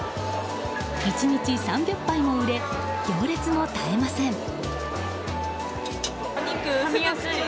１日３００杯も売れ行列も絶えません。